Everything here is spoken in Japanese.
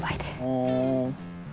ふん。